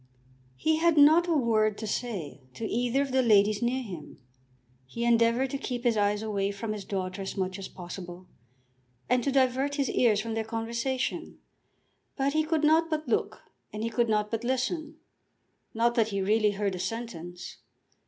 He had not a word to say to either of the ladies near him. He endeavoured to keep his eyes away from his daughter as much as possible, and to divert his ears from their conversation; but he could not but look and he could not but listen. Not that he really heard a sentence.